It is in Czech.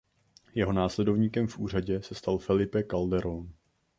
Jeho následovníkem v úřadě se stal Felipe Calderón.